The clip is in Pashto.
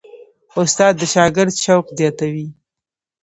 استاد د شاګرد شوق زیاتوي.